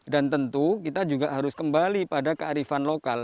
dan tentu kita juga harus kembali pada kearifan lokal